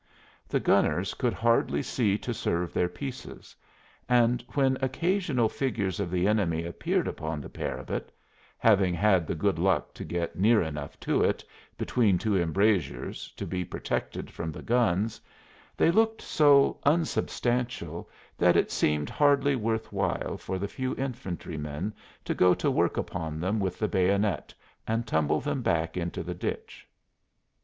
The gunners could hardly see to serve their pieces, and when occasional figures of the enemy appeared upon the parapet having had the good luck to get near enough to it, between two embrasures, to be protected from the guns they looked so unsubstantial that it seemed hardly worth while for the few infantrymen to go to work upon them with the bayonet and tumble them back into the ditch.